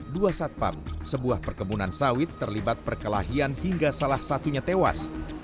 dua satpam sebuah perkebunan sawit terlibat perkelahian hingga salah satunya tewas